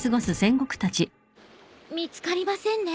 見つかりませんね。